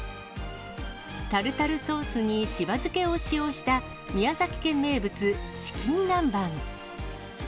タルタルソースにしば漬けを使用した宮崎県名物、チキン南蛮。